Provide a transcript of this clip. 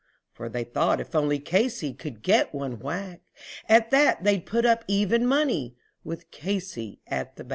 For they thought if only Casey could get a whack at that, They'd put up even money with Casey at the bat.